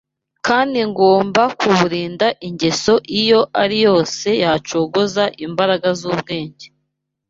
kandi ngomba kuburinda ingeso iyo ariyo yose yacogoza imbaraga z’ubwenge.